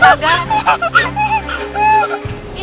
tidak ada nampak bekas bermobil